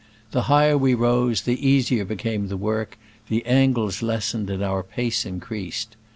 The higher we rose the easier became the work, the angles lessened and our pace increased.